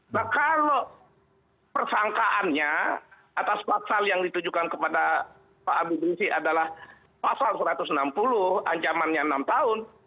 nah kalau persangkaannya atas pasal yang ditujukan kepada pak habib rizik adalah pasal satu ratus enam puluh ancamannya enam tahun